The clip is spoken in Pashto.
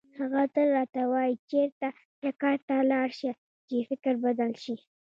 هغه تل راته وایي چېرته چکر ته لاړ شه چې فکر بدل شي.